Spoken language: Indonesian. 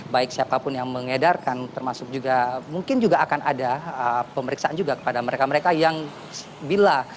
baik siapapun yang mengedarkan termasuk juga mungkin juga akan ada pemeriksaan juga kepada mereka mereka yang bila